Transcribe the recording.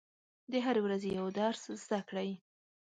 د هرې ورځې یو درس زده کړئ.